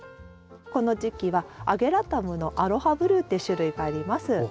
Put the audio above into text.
この時期はアゲラタムの‘アロハブルー’って種類があります。